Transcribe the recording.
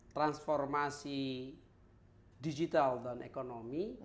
transformasi digital dan ekonomi